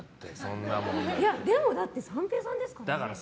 だって三平さんですからね。